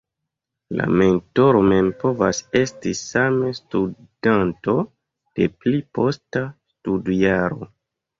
La mentoro mem povas esti same studanto, de pli posta studjaro.